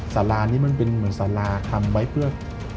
สารานี้มันเป็นเหมือนสาราทำไว้เพื่อ